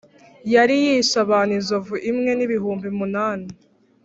Yari yishe abantu inzovu imwe n’ibihumbi munani.